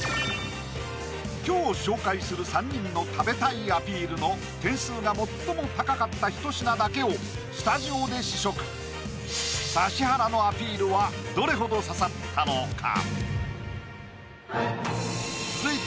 今日紹介する３人の食べたいアピールの点数が最も高かったひと品だけをスタジオで試食指原のアピールはどれほど刺さったのか？